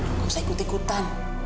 enggak usah ikut ikutan